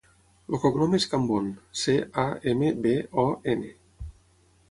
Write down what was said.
El cognom és Cambon: ce, a, ema, be, o, ena.